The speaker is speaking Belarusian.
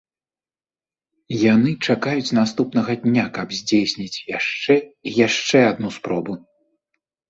Яны чакаюць наступнага дня, каб здзейсніць яшчэ і яшчэ адну спробу.